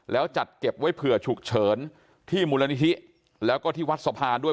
แล้วจัดเก็บไว้เผื่อฉุกเฉินที่มูลนิธิแล้วก็ที่วัดสะพานด้วย